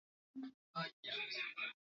poza mkate wako na utunze